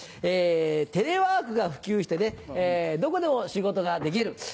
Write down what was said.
テレワークが普及してねどこでも仕事ができる。